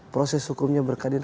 proses hukumnya berkeadilan